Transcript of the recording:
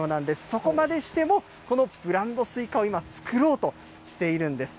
そこまでしても、このブランドスイカを今、作ろうとしているんです。